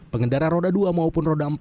pengendara roda dua maupun roda empat